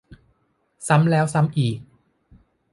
ซ้ำแล้วซ้ำอีก